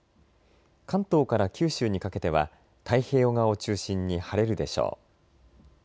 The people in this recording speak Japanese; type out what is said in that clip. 関東から九州にかけては太平洋側を中心に晴れるでしょう。